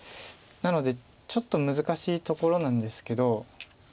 なのでちょっと難しいところなんですけど。